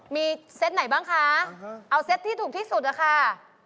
มีเซตไหนบ้างคะเอาเซตที่ถูกที่สุดอะค่ะ